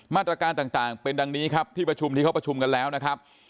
มาตรการต่างเป็นดังนี้ครับที่ประชุมที่เขาประชุมกันแล้วนะครับ